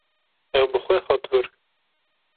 Ew bi xwe hat vir.